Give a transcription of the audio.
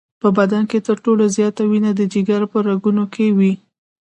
په بدن کې تر ټولو زیاته وینه د جگر په رګونو کې وي.